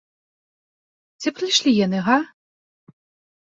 Ці прыйшлі яны, га?